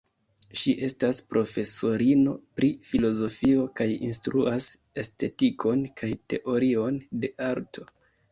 Ŝi estas profesorino pri filozofio kaj instruas estetikon kaj teorion de arto.